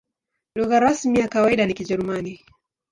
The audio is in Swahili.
Lugha rasmi na ya kawaida ni Kijerumani.